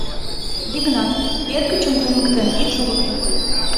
— Йыгнат, эргычым кылмыктен ит шогыкто.